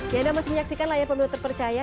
ya anda masih menyaksikan layar pemilu terpercaya